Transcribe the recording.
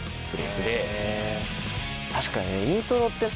確かに。